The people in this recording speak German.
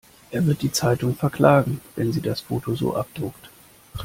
Er wird die Zeitung verklagen, wenn sie das Foto so abdruckt.